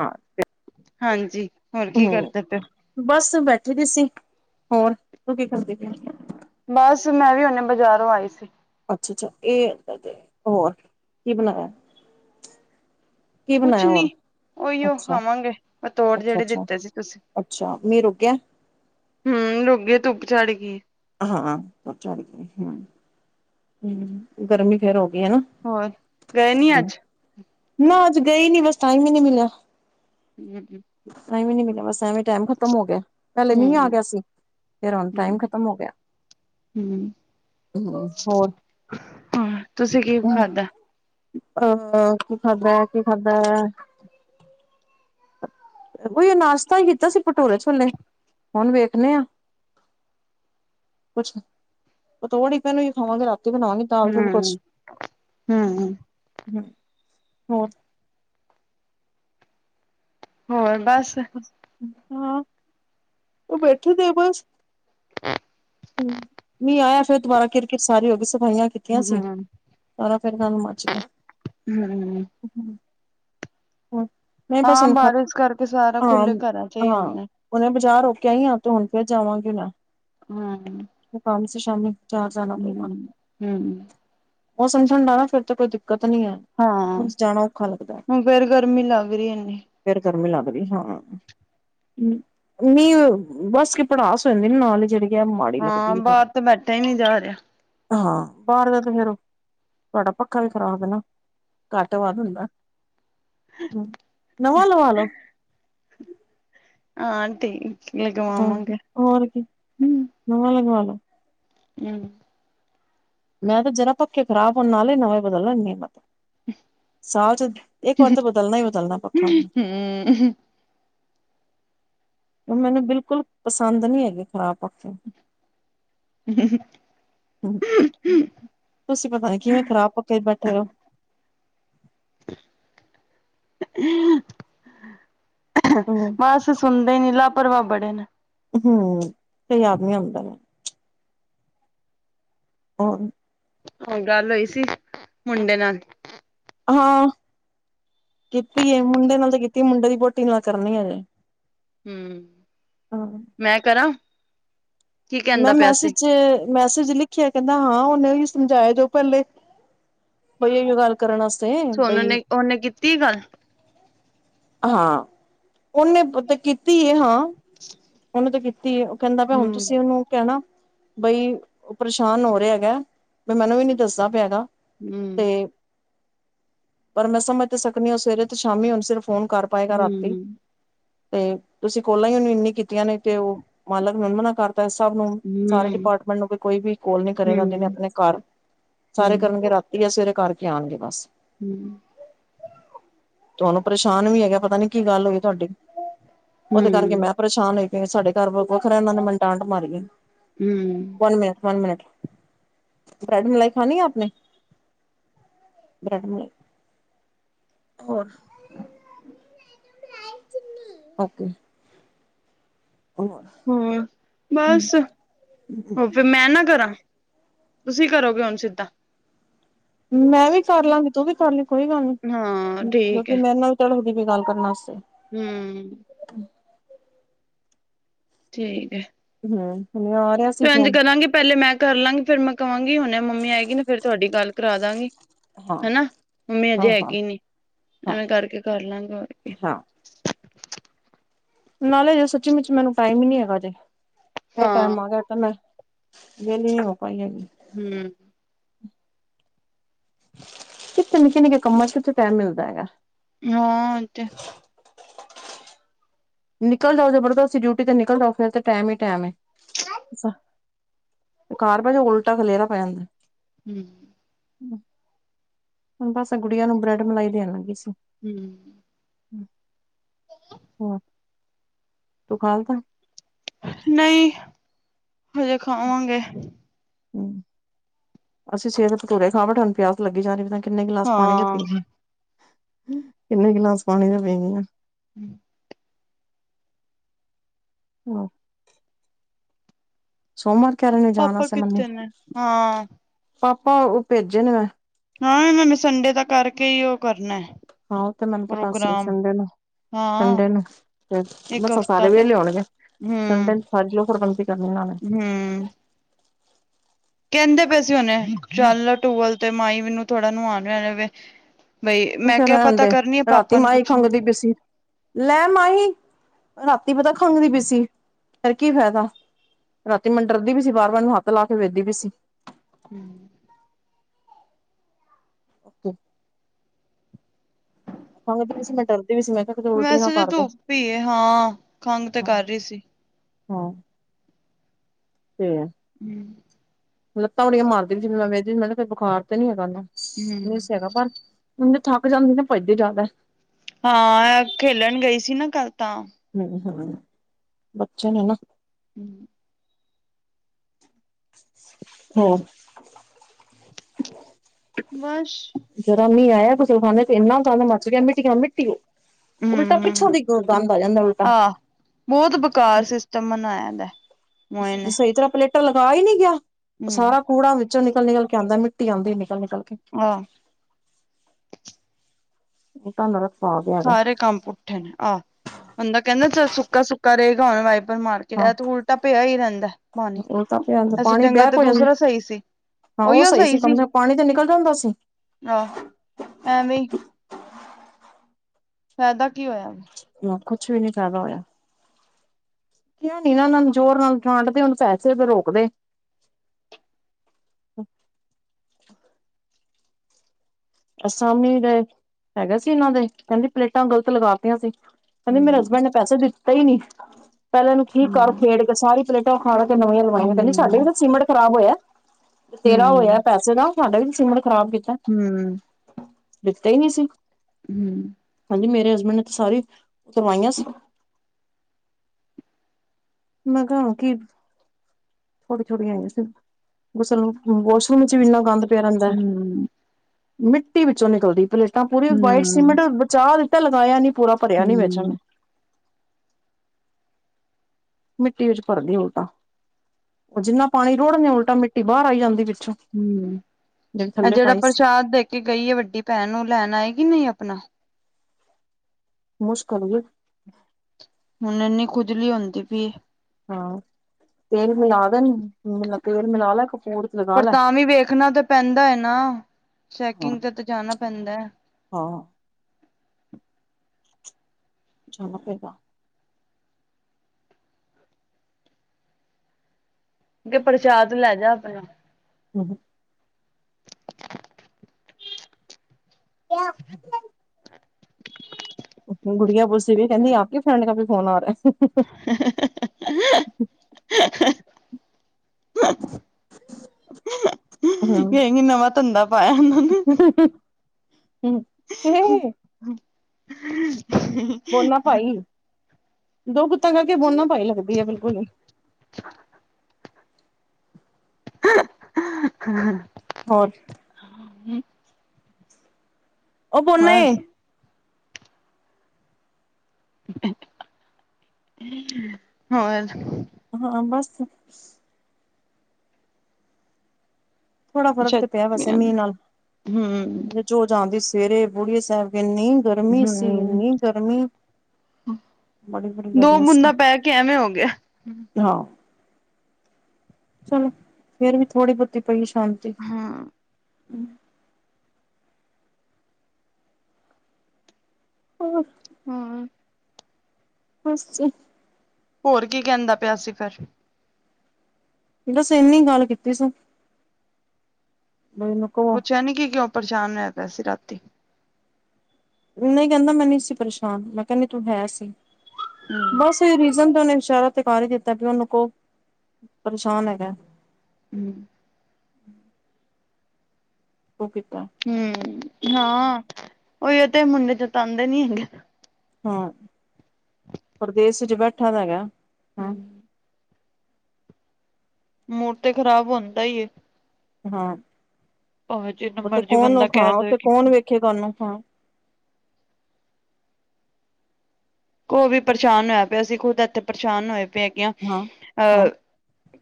ਹਾਂ [unintelligible] ਹਾਂਜੀ ਹੋਰ ਕੀ ਹੂੰ ਕਰਦੇ ਪੇ। ਬਸ ਬੈਠੀ ਦੀ ਸੀ। ਹੋਰ ਤੂੰ ਕੀ ਕਰਦੀ ਪਈ? ਬਸ ਮੈਂ ਵੀ ਹੂੰਨੇ ਬਜ਼ਾਰੋਂ ਆਈ ਸੀ। ਅੱਛਾ -ਅੱਛਾ ਇਹ ਤੇ ਹੋਰ ਕੀ ਬਨਾਯਾ? ਕੀ ਬਨਾਯਾ ਹੋਰ? ਓਈ ਓ ਅੱਛਾ ਖਾਵਾਂਗੇ ਪਤੋੜ ਅੱਛਾ ਜਿਹੜੇ ਅੱਛਾ ਦਿੱਤੇ ਸੀ ਤੁਸੀਂ। ਅੱਛਾ ਮੀਂਹ ਰੁਕ ਗਿਆ ਹੂੰ ਰੁਗੇ ਧੁੱਪ ਚਾੜ ਗਈ [unintelligible] ਹਾਂ ਧੁਪ ਚਡ ਗ਼ੀ। ਗਰਮੀ ਫੇਰ ਹੋਗੀ ਹਨਾ? ਹੋਰ, ਗਏ ਨੀ ਨਾ ਅੱਜ? ਨਾ, ਅੱਜ ਗਈ ਨੀ ਬਸ ਟਾਈਮ ਈ ਨੀ ਮਿਲਿਆ। ਹਮਮ [unintelligible] ਟਾਇਮ ਈ ਨੀ ਮਿਲਯਾ ਬਸ ਐਵੇਂ। ਟਾਈਮ ਖਤਮ ਹੋ ਗਿਆ। ਪਹਿਲੇ ਮੀਂਹ ਆ ਹੂੰ, ਗਿਆ ਸੀ। ਫੇਰ ਹੁਣ ਟਾਈਮ ਖਤਮ ਹੋ ਗਿਆ। ਹੂੰ ਹੋਰ ਤੁਸੀ ਕੀ ਖਾਧਾ? ਅ ਅ ਕੀ ਖਾਦਾ ਐ -ਕੀ ਖਾਦਾ ਐ? ਓਇਯੋ ਨਾਸ਼ਤਾ ਹੀ ਕੀਤਾ ਸੀ ਭਟੂਰੇ ਛੋਲੇ ਹੁਣ ਵੇਖਣੇ ਆ ਕੁਛ ਪਤੋੜ ਈ ਪਏ ਨਿ ਓਈ ਖਾਵਾਂਗੇ ਰਾਤੀ ਬਣਾਵਾਗੇ। ਦਾਲ-ਦੁਲ ਹੂੰ, ਕੁੱਛ ਹੂੰ ਹੋਰ। ਹੋਰ ਬਸ, ਹਾਂ ਉਹ ਬੈਠੇਦੇ ਆ ਬਸ ਮੀਂ ਆਇਆ, ਫੇਰ ਦੁਬਾਰਾ ਕਿਰ ਕਿਰ ਸਾਰੀ ਹੋਇਆ, ਸਫਾਈਆਂ ਕਿਆ ਹੂੰ, ਸੀ, ਸਾਰਾ ਫਿਰ ਸਾਨੂੰ ਮਚ ਗਿਆ। [unintelligible] ਹੂੰ [unintelligible] ਹਉ ਹੋਰ? ਹਾਂ ਬਾਰਿਸ਼ ਕਰਕੇ ਸਾਰਾ ਖੁੱਲੇ ਘਰਾ ਚ ਹੀ ਹੁੰਦਾ। ਉਹਨੇ ਬਜਾ ਰੋਕਿਆ ਹੀ ਆ, ਤੇ ਹੁਣ ਫੇਰ ਜਾਵਾਂਗੇ ਮੈਂ ਹਾਂ, ਕੰਮ ਸੀ, ਸ਼ਾਮੀ ਬਜ਼ਾਰ ਜਾਨਾ ਪਊਗਾ। ਹੂੰ ਮੋਸਮ ਠੰਡਾ ਨਾ ਫੇਰ ਤਾਂ ਕੋਈ ਦਿੱਕਤ ਨੀ ਹੈ। ਹਾਂ ਜਾਣਾ ਔਖਾ ਹੁਣ ਫੇਰ ਗਰਮੀ ਲੱਗ ਰਹੀ ਏਨੀ, ਫਿਰ ਗਰਮੀ ਲੱਗ ਰਈ ਹਾਂ। ਨਹੀਂ ਓਹ ਬਸ ਪੜਾਸ ਹੋ ਜਾਦੀ ਐ, ਨਾਲ ਐ ਜਿਹੜੀ ਹੈ ਮਾੜੀ ਹਾਂ ਲੱਗਦੀ ਹੈ ਬਾਹਰ ਤੋਂ ਬੈਠਾ ਹੀ ਨਹੀਂ ਜਾ ਰਿਹਾ। ਹਾਂ ਬਾਹਰ ਦਾ ਤੇ ਫੇਰ ਤੁਹਾਡਾ ਪੱਖਾ ਵੀ ਖ਼ਰਾਬ ਹੈ ਨਾ, ਘੱਟ ਵੱਧ ਹੁੰਦਾ। ਨਵਾ ਲਵਾ ਲੋ, ਹਾਂ ਠੀਕ, ਹਾਂ ਲਗਵਾਵਾਂਗੇ ਹੋਰ ਕੀ ਨਵਾ ਲਵਾਲੋ। ਹੂੰ, ਮੈਂ ਤਾਂ ਜਰਾ ਪੱਖੀ ਖਰਾਬ ਹੋਣ ਦੇ, ਨਾਲ ਨਵਾਂ ਬੱਦਲ ਲੈਂਦੀ ਆ। ਸਾਲ ਚ ਇੱਕ ਵਾਰ ਤਾਂ ਬਦਲਣਾ ਹੀ ਬਦਲਣਾ ਪੱਖਾ, ਉਹ ਮੈਨੂੰ ਬਿਲਕੁਲ ਪਸੰਦ ਨਹੀਂ ਹੈਗੇ ਖ਼ਰਾਬ ਪੱਖੇ, [unintelligible] ਹੂੰ, ਤੁਸੀਂ ਪਤਾ ਨੀ ਕਿਵੇਂ ਖ਼ਰਾਬ ਪੱਕੇ ਬੈਠੇ ਹੋ। ਹੂੰ ਬਸ ਸੁਣਦੇ ਨੀ ਲਾਪਰਵਾ ਬੜੇ ਨੇ, ਹੂੰ, ਕਈ ਯਾਦ ਨਹੀਂ ਆਉਂਦਾ। ਹੋਰ? ਉਹ ਗੱਲ ਹੋਈ ਸੀ, ਮੁੰਡੇ ਨਾਲ ਹਾਂ, ਕੀਤੀ ਏ, ਮੁੰਡੇ ਨਾਲ ਤੇ ਕੀਤੀ ਮੁੰਡੇ ਦੀ ਵੋਟੀ ਨਾਲ ਕਰਨੀ ਹੈ ਜੇ ਹੂੰ, ਮੈਂ ਕਰਾਂ। ਕੀ ਮੈਂ ਕਹਿੰਦਾ ਪਿਆ ਸੀ ਮੈਸੇਜ-ਮੈਸੇਜ ਲਿਖਿਆ ਕਹਿੰਦਾ ਹਾਂ, ਉਹਨੇ ਉਹੀ ਸਮਝਾਏ ਜੋ ਪੱਲੇ ਬਈ ਏ ਗੱਲ ਕਰਨ ਵਾਸਤੇ ਸੋਨੂੰ ਬਈ, ਨੇ ਉਹਨੇ ਕੀਤੀ ਗੱਲ, ਹਾਂ ਉਹਨੇ ਤੇ ਕੀਤੀ ਹੈ ਹਾਂ। [inaudible] ਉਹਨੂੰ ਤਾਂ ਕੀਤੀ ਐ, ਉਹ ਕਹਿੰਦਾ ਹੁਣ ਹਮ ਤੁਸੀਂ ਉਹਨੂੰ ਕਹਿਣਾ ਬਈ ਉਹ ਪਰੇਸ਼ਾਨ ਹੋ ਰਿਹਾ, ਹੈਗਾ ਬਈ ਮੈਨੂੰ ਵੀ ਨੀ ਦੱਸਦਾ, ਪਿਆ ਹੈਗਾ। ਹਮ ਤੇ ਪਰ ਮੈਂ ਸਮਝ ਤਾਂ ਸਕਦੀ ਆ, ਸਵੇਰੇ ਤੋਂ ਸ਼ਾਮੀ ਹੁਣ ਸਿਰ ਫੋਨ ਕਰ। ਪਾਏਗਾ, ਰਾਤੀ ਹਮ ਤੇ ਤੁਸੀਂ ਕੋਲਾ ਉਹਨੂੰ ਇੰਨੀ ਕੀਤੀ। ਆਂ ਨੇ ਤੇ ਉਹ ਮਾਲਕ ਨੰਦਣਾ ਕਰਕੇ, ਸਭ ਨੂੰ ਸਾਰੇ ਹਮ ਡਿਪਾਰਟਮੈਂਟ ਨੂੰ ਵੀ ਕੋਈ ਵੀ ਕੋਲ ਨੀ ਹਮ ਕਰੇਗਾ, ਜਨੇ ਹਮ ਆਪਣੇ ਘਰ ਸਾਰੇ ਹਮ ਕਰਨਗੇ, ਰਾਤੀ ਆ ਸਵੇਰੇ ਕਰਕੇ ਆਉਣਗੇ ਬਸ- ਹੂੰ, ਤੁਹਾਨੂੰ ਪਰੇਸ਼ਾਨ ਵੀ ਹੈਗਾ, ਪਤਾ ਨੀ ਕੀ ਗੱਲ ਹੋਈ ਤੁਹਾਡੀ ਉਹਦੇ ਕਰਕੇ ਹਮ ਮੈਂ ਪਰੇਸ਼ਾਨ ਹੋਈ ਪਈ ਆ, ਸਾਡੇ ਘਰ ਵ ਵੱਖਰਾ ਇਹਨਾਂ ਨੇ ਮੈਂ ਡਾਂਟ ਮਾਰੀ ਹਮ one minute one minute bread ਮਲਾਈ ਖ਼ਨੀ ਹੈ, ਆਪ ਨੇ [unintelligible] ਹੋਰ [inaudible] [unintelligible] ਓਕੇ [unintelligible] ਹੋਰ, ਬਸ ਹੋ ਫਿਰ ਮੈਂ ਨਾ ਕਰਾਂ ਤੁਸੀਂ ਕਰੋਗੇ ਹੁਣ ਸਿੱਧਾ ਮੈਂ ਵੀ ਕਰ ਲਾਂਗੀ ਤੂੰ ਵੀ ਕਰ ਲਈ ਕੋਈ ਗੱਲ ਨੀ ਹਾਂ ਠੀਕ ਹੈ ਜੋਕਿ ਮੈਂਰੇ ਨਾਲ [unintelligible] ਗੱਲ ਕਰਨ ਵਾਸਤੇ ਹਮ ਠੀਕ ਏ। ਹਮ ਹੋਰ ਮੈ ਇੰਜ ਕਰਾਂਗੀ, ਪਹਿਲੇ ਮੈਂ ਕਰ ਲਾਂਗੀ ਫੇਰ ਮੈਂ ਕਵਾਂਗੀ ਹੁਣੇ ਮੰਮੀ ਆਏਗੀ ਨਾ ਫੇਰ ਤੁਹਾਡੀ ਗੱਲ ਕਰਾ ਦਾਂਗੀ ਹਾਂ ਹਨਾ ਮੰਮੀ ਹਾਂ ਅਜੇ ਹਾਂ ਹੈਗੀ ਨੀ ਹਾਂ ਐਵੇਂ ਕਰਕੇ ਕਰ ਲਾਂਗੇ ਹੋਰ ਕੀ ਹਾਂ ਨਾਲੇ ਜੇ ਸੱਚੀ ਮੁਚ ਮੈਨੂੰ ਟਾਈਮ ਹੀ ਨੀ ਹੈਗਾ ਜੇ ਏ ਹਾਂ ਟਾਈਮ ਆ ਗਿਆ ਮੈਂ ਵੇਲੀ ਨੁ ਹੋਰ ਕਮ ਹੀ ਨੀ ਹਮ ਕਿੱਥੇ ਨਿੱਕੇ-ਨਿੱਕੇ ਕੰਮਾ ਚ ਕਿੱਥੇ ਟੈਮ ਮਿਲਦਾ ਹੈ ਹਾਂ ਤੇ ਨਿਕਲ ਜਾਓ ਜਬਰਦਸਤਸੀਂ ਡਿਊਟੀ ਤੇ ਨਿਕਲ ਜਾਓ ਫਿਰ ਤੇ ਟੈਮ ਹੀ ਟੈਮ ਹੈ ਘਰ ਬੈਜੋ ਉਲਟਾ ਖਲੇਰਾ ਪੈ ਜਾਂਦਾ ਹਮ ਹੁਣ ਬਸ ਗੁੜੀਆਂ ਨੂੰ ਬ੍ਰੈਡ ਮਲਾਈ ਦੇਣ ਲੱਗੀ ਸੀ ਹਮ ਹੋਰ ਤੂੰ ਖਾਲਤਾ ਨਹੀਂ ਹਜੇ ਖਾਵਾਂਗੇ ਹਮ ਅਸੀਂ ਸਵੇਰੇ ਭਟੂਰੇ ਖਾ ਬੈਠੇ ਆ ਹੁਨ ਪਿਆਸ ਲੱਗੀ ਜਾ ਰਹੀ ਕਿੰਨੇ ਗਿਲਾਸ ਪਾਣੀ ਦੇ ਹਾਂ ਪੀ ਗਈ ਕਿੰਨੇ ਗਿਲਾਸ ਪਾਣੀ ਦੇ ਪੀ ਗਈਆਂ [unintelligible] [unintelligible] ਸੋਮਵਾਰ ਕਹਿ ਰੇ ਨੇ ਜਾਣ ਪਾਪਾ ਵਾਸਤੇ ਮੰਮੀ। ਕਿੱਥੇ ਨੇ ਹਾਂ ਪਾਪਾ ਉਹ ਭੇਜੇ ਨੇ ਮੈਂ ਹ ਮੈਨੁ ਸੰਡੇ ਦਾ ਕਰਕੇ ਹੀ ਉਹ ਕਰਨਾ ਹੈ ਹਾਂ ਉਹ ਤੇ ਮੈਨੂੰ ਪਤਾ ਸੀ ਸੰਡੇ ਨੂੰ ਹਾਂ ਸੰੰਡੇ ਨੂੰ ਤੇ ਇੱਕ ਮਸਾਂ ਸਾਰੇ ਹਫ਼ਤਾ ਤੇ ਵਿਹਲੇ ਹੋਣਗੇ ਸੰਡੇ ਹਮ ਨੁ [unintelligible] ਕਰਨੀ ਉਹਨਾਂ ਨੇ ਹਮ ਕਹਿੰਦੇ ਪਏ ਸੀ ਉਹਨੇ ਚੱਲ ਲੈ ਟੂਵਲ ਤੇ ਮਾਈ ਮੈਨੂੰ ਥੋੜਾ ਨ ਆਉਣ ਲ ਲਵੇ ਬਈ ਉਹ ਮੈਂ ਕਹਿ ਕਿਹਾ ਰਹਿਣ ਪਤਾ ਦੇ ਕਰਨੀ ਆ ਰਾਤੀ ਪਾਪਾ ਨੂੰ ਮਾਈ ਪੁੱਛਣ ਖੰਘਦੀ ਪਈ ਸੀ। ਲੈ ਮਾਹੀ ਰਾਤੀ ਪਤਾ ਖੰਘਦੀ ਪੀਸੀ ਪਰ ਕੀ ਫਾਇਦਾ ਰਾਤੀ ਮੰਡਰਦੀ ਪੀ ਸੀ ਵਾਰ-ਵਾਰ ਏਨੂੰ ਹੱਥ ਲਾ ਕੇ ਵੇਖਦੀ ਵੀ ਸੀ ਹਮ ੳਕੇ ਹਾਂ ਸੀ ਮੈਂ ਡਰਦੀ ਵੀ ਸੀ ਮੈਂ ਕਿਹਾ ਕਿਤੇ ਉਲਟੀ ਨਾ ਵੈਸੇ ਵੀ ਕਰਦੇ ਧੁੱਪ ਹੀ ਹੈ ਹਾਂ ਖੰਘ ਤੇ ਕਰ ਰਹੀ ਸੀ ਹਾਂ ਤੇ [unintelligible] ਲੱਤਾ ਬੜੀਆਂ ਮਾਰਦੀ ਪੀ ਸੀ ਮੈਂ ਵਹਿੰਦੀ ਮੈ ਕਿਹਾ ਬੁਖਾਰ ਤੇ ਨੀ ਹੈਗਾ ੳਨੁ ਨਹੀਂ ਹੂੰ ਸੀ ਹੈਗਾ ਪਰ ਮੈ ਥੱਕ ਜਾਂਦੀ ਨਾ ਭਜਦੀ ਜ਼ਿਆਦਾ ਹਾਂ ਖੇਲਣ ਗਈ ਸੀ ਨਾ ਕੱਲ ਤਾਂ ਹਮ ਹਮ ਬੱਚੇ ਨੇ ਨਾ [unintelligible] ਹ [unintelligible] ਵਸ਼ ਜਰਾ ਮੀਹ ਆਇਆ, ਗੁਸਲਖਾਨੇ ਤੇ ਇਨਾ ਗੰਦ, ਮੱਚ ਗਿਆ। ਮਿੱਟੀ ਔ ਮਿੱਟੀ ਉਹ ਉਲਟਾ ਪਿਛੋਂ, ਹੂੰ ਦੀ ਗ ਬੰਦ ਹੋ ਜਾਦਾ। ਉਲਟਾ ਆਹ ਬਹੁਤ ਬੇਕਾਰ, ਸਿਸਟਮ ਬਨਾਇਆ। ਐਨੇ ਸਹੀ ਤਰਾਂ, ਪਲੇਟਾ ਲਗਾ ਹੀ ਨੀ ਗਿਆ। ਹੂੰ ਸਾਰਾ ਕੂੜਾ ਵਿਚੋਂ ਨਿਕਲ- ਨਿਕਲ ਕੇ ਆਉਦਾ ਏ। ਮਿੱਟੀ ਆਦੀ ਨਿਕਲ- ਨਿਕਲ ਕੇ ਹਾਂ। ਇਡਾ ਨਰਕ, ਪਾ ਗਏ। ਸਾਰੇ ਕਮ ਪੁੱਠੇ ਨੇ, ਆਹ ਬੰਦਾ ਕਹਿੰਦਾ ਚਲ, ਸੁੱਕਾ- ਸੁੱਕਾ ਰਹੇਗਾ। ਹੁਣ ਵਾਈਪਰ ਮਾਰ ਕੇ ਕੀ ਹਾਂ ਏਹ ਤੇ, ਉਲਟਾ ਪਿਆ ਹੀ ਰਹਿਦਾ। ਪਾਣੀ, ਉਲਟਾ ਪਿਆ ਅਸਤੋ ਪਾਣੀ ਚੰਗਾ ਬੈਕ ਤਾਂ, ਹੋ ਜਾਂਦੀ ਦੂਸਰਾ ਹੀ, ਸਹੀ ਸੀ। ਹਾਂ, ਉਹ ਉਹੀਓ ਸਹੀ ਸੀ। ਕਮ ਸੇ ਕਮ ਪਾਣੀ ਤੇ ਨਿਕਲ ਜਾਦਾ ਸੀ। ਆਹੋ, ਐਵੀ। ਫਾਇਦਾ, ਕੀ ਹੋਇਆ। ਹ, ਕੁੱਛ ਵੀ ਨੀ, ਫਾਇਦਾ ਹੋਇਆ। ਕਿਹਾ ਨੀ ਇਹਨਾਂ ਨੂੰ, ਜ਼ੋਰ ਨਾਲ, ਡਾਂਟ ਦੇ, ਹੁਣ ਪੈਸੇ ਤੇ ਰੋਕਦੇ ਅਸਾਮੀ ਦੇ। ਹੈਗੇ ਸੀ ਇਹਨਾਂ ਦੇ, ਕਹਿਦੀ ਪਲੇਟਾਂ, ਗਲਤ ਲਗਾ ਤੀਆਂ ਸੀ। ਕਹਿਦੀ ਮੇਰੇ, ਹਸਬੈਂਡ ਨੇ ਪੈਸੇ, ਦਿਤੇ ਹੀ ਨੀ। ਪਹਿਲਾਂ ਇਹਨੂੰ, ਠੀਕ ਕਰ ਹਮ ਉਖੇਡ ਕੇ, ਸਾਰੀ ਪਲੇਟਾਂ ਉਖਾੜ ਕੇ, ਨਵੀਆਂ ਲਵਾਈਆਂ। ਕਹਿਦੀ ਸਾਡੇ ਵੀ ਹਮ ਤਾਂ, ਸੀਮਟ ਖਰਾਬ ਹੋਇਆ। ਹਮ ਤੇਰਾ ਹੋਇਆ ਪੈਸੇ ਦਾ, ਸਾਡਾ ਵੀ ਸੀਮਟ ਖਰਾਬ ਕੀਤਾ। ਹਮ ਹਮ ਦਿਤੇ ਹੀ, ਨਹੀ ਸੀ। ਹੂੰ। ਹਾਂਜੀ, ਮੇਰੇ ਹਸਬੈਂਡ ਨੇ ਤਾਂ, ਸਾਰੀ ਉਤਰਵਾਈਆਂ ਸੀ। ਮੈ ਕਿਹਾ, ਹੁਣ ਕੀ- ਥੋੜੀ ਥੋੜੀਆਂ ਆਈਆਂ ਸੀ। ਗਸਲ, ਵਾਸ਼ਰੂਮ ਚ ਵੀ ਇਨਾ ਗੰਦ ਪਿਆ ਰਹਿੰਦਾ ਏ। ਹਮ ਮਿੱਟੀ ਵਿਚੋ, ਨਿਕਲਦੀ ਪਈ। ਤਾਂ, ਪੂਰੀ ਵਾਈਟ ਸੀਮੈਟ। ਬਚਾ ਲਿਤਾ ਲਗਾਇਆ ਨੀ ਪੂਰਾ। ਹਮ ਭਰਿਆ ਨੀ ਵਿਚ। ਹਮ ਮਿੱਟੀ ਵਿਚ ਭਰਦੀ ਉਲਟਾ। ਉਹ ਜਿਨਾ ਪਾਣੀ ਰੋੜਦੇ, ਉਲਟਾ ਮਿੱਟੀ ਬਾਹਰ, ਆਈ ਜਾਦੀ। ਵਿਚੋ ਹੂੰ। ਐ ਜਿਹੜਾ ਪ੍ਰਸ਼ਾਦ, ਦੈ ਕੇ ਗਈ ਆ। ਵਡੀ ਭੈਣ, ਉਹ ਲੈਣ ਆਏਗੀ ਨਹੀ ਆਪਣਾ। ਮੁਸ਼ਕਿਲ ਜੀ। ਹੁਣ ਇਨੀ, ਖੁਜਲੀ ਹੁਦੀ ਪਈ ਏ। ਹਾਂ, ਤੇਲ ਮਿਲਾ ਦੇਣ, ਤੇਲ ਮਿਲਾ ਲੈ ਕਪੂੂਰ ਪਰ ਤਾਂ ਵੀ, ਵੇਖਣਾ ਤਾਂ ਪੈਦਾ ਹੈ, ਨਾ। ਹਾਂ ਚੈਕਿੰਗ ਤੇ ਜਾਣਾ ਪੈਂਦਾ ਹੈ। ਹਾਂ। ਜਾਣਾ ਪੈਂਦਾ। ਉਹਨੂੰ ਕਿਹਾ, ਪ੍ਰਸ਼ਾਦ ਲੈ ਜਾ ਆਪਣਾ। ਹ [inaudible] ਗੁੜੀਆ ਪੁੱਛਦੀ ਪਣੀ। ਕਹਿੰਦੀ ਆਪਕੀ ਫਰੈਂਡ ਕਾ ਫੋਨਾ ਆ ਰਿਹਾ ਹੈ। [unintelligible] ਕੇਗੀ ਨਵਾਂ, ਧੰਦਾ ਪਾਇਆ ਨੇ ਹਮ [unintelligible] [inaudible] ਬੋਨਾ ਭਾਈ। ਦੋ ਗੁੱਤਾਂ ਕਰਕੇ ਬੋਨਾ ਭਾਈ ਲੱਗਦੀ ਆ ਬਿਲਕੁਲ। ਹ [unintelligible] ਹੋਰ? ਹਾਂ [inaudible] ਉਹ ਬਸ ਬੋਨੇ। ਹਾਂ, ਹੋਰ? ਹਾਂ, ਬਸ। ਥੋੜਾ ਫਰਕ, ਅੱਛਾ ਤੇ ਪਿਆ ਵੈਸੇ, ਮੀਂਹ ਨਾਲ। ਹੂੰ ਹੂੰ ਜੋ ਜਾਦੀ ਸਵੇਰੇ ਬੂੜੀ ਸਾਹਿਬ, ਕਿਨੀ ਗਰਮੀ ਸੀ, ਇੰਨੀ ਗਰਮੀ! ਬੜੀ ਬੜੀ ਦੋ ਮੁੰਨਾ ਪੈਕੇ ਐਵੇਂ ਹੋਗਿਆ। ਹਾ। ਚਲੋ, ਫਿਰ ਵੀ ਥੋੜੀ-ਬਹੁਤੀ ਪਈ ਸ਼ਾਂਤੀ। ਹੂੰ। ਹੋਰ। ਹੂੰ। ਬੱਸ। ਹੋਰ ਕੀ, ਕਹਿੰਦਾ ਪਿਆ ਸੀ ਫਿਰ? ਬੱਸ ਇੰਨੀ ਗੱਲ ਕੀਤੀ ਸੂੰ। ਪੁਛਿਆ ਨਹੀ ਕਿ, ਕਿਉਂ ਪਰੇਸ਼ਾਨ ਹੋਇਆ ਪਿਆ ਸੀ ਰਾਤੀ। ਨਹੀਂ ਕਹਿੰਦਾ, ਮੈਂ ਨਹੀਂ ਸੀ ਪਰੇਸ਼ਾਨ। ਮੈਂ ਕਿਆ ਨਹੀਂ, ਤੂੰ ਹੈ ਸੀ। ਹੂੰ ਬਸ ਰੀਜ਼ਨ ਤੇ ਉਹਨੇ ਇਸ਼ਾਰਾ ਤੇ ਕਰ ਹੀ ਦਿੱਤਾ, ਵੀ ਉਹਨੂੰ ਕੋ ਪਰੇਸ਼ਾਨ ਹੈਗਾ। ਹੂੰ। ਉਹ ਕੀਤਾ ਹੂੰ, ਹਾਂ, ਉਹੀਓ ਤੇ ਮੁੰਡੇ ਜਤਾਂਦੇ ਨੀ ਹੈਗੇ। ਹਾਂ, ਪਰਦੇਸ'ਚ ਬੈਠਾ ਦਾ ਹੈਗਾ। ਹੂੰ। ਹਾਂ ਮੋੜ ਤੇ ਖ਼ਰਾਬ ਹੋਂਦਾ ਏ। ਹਾਂ, ਭਾਵੇਂ ਜਿੰਨਾ ਉੱਥੇ ਮਰਜੀ ਕੌਣ, ਬੰਦਾ ਖਾਂ ਕਹਿ ਦੇਵੇ ਉੱਥੇ ਕਿ ਕੌਣ ਵੇਖੇਗਾ ਓਹਨੁੰ, ਹਾਂ। ਕੋ ਵੀ ਪਰੇਸ਼ਾਨ ਹੋਇਆ ਪਿਆ ਸੀ, ਅਸੀ ਖੁਦ ਇੱਥੇ ਪਰੇਸ਼ਾਨ ਹੋਏ ਪਏ ਹੈਗੀਆਂ। ਹਾਂ ਹਾਂ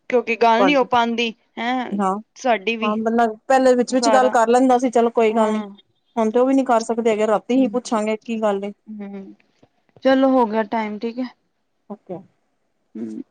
ਕਿਉਂਕਿ ਗੱਲ ਨੀ ਹੋ ਪਾਂਦੀ, ਹੈਂ। ਹਾਂ ਸਾਡੀ ਵੀ। ਹਾਂ ਬੰਦਾ ਪਹਿਲੇ ਵਿਚ-ਵਿਚ ਗੱਲ ਸਾਰਾ ਕਰ ਲੈਂਦਾ ਸੀ, ਚਲੋ ਕੋਈ ਗੱਲ ਨੀ। ਹਾਂ ਹੁਣ ਤੇ ਉਹ ਵੀ ਨੀ ਕਰ ਸਕਦੇ ਹੈਗੇ, ਰ੍ਹਾਤੀ ਅਹੀ ਹੂੰ, ਪੁੱਛਾਂਗੇ ਕੀ ਗੱਲ ਏ। ਹੂੰ, ਚਲੋ ਹੋਗਿਆ ਟਾਈਮ ਠੀਕ ਏ। ਓਕੇ। ਹੂੰ।